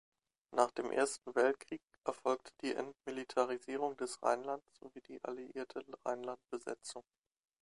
Nach dem Ersten Weltkrieg erfolgte die Entmilitarisierung des Rheinlands sowie die alliierte Rheinlandbesetzung.